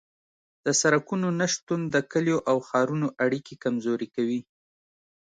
د سرکونو نشتون د کلیو او ښارونو اړیکې کمزورې کوي